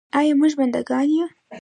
آیا موږ بنده ګان یو؟